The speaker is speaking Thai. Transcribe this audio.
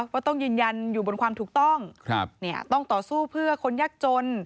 ว่าต้องยืนยันอยู่บนความถูกต้องต้องต่อสู้เพื่อคนยากจน